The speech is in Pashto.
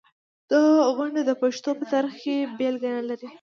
دا غونډ د پښتو په تاریخ کې بېلګه نلري.